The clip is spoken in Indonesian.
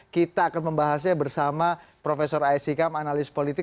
kita akan membahasnya bersama prof aisyikam analis politik